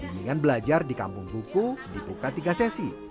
bimbingan belajar di kampung buku dibuka tiga sesi